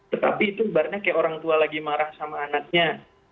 tetapi itu sepertinya orang tua lagi marah sama anaknya